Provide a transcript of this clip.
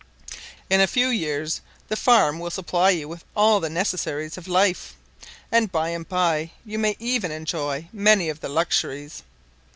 In a few years the farm will supply you with all the necessaries of life, and by and by you may even enjoy many of the luxuries.